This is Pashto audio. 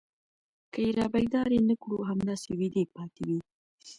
که يې رابيدارې نه کړو همداسې ويدې پاتې وي.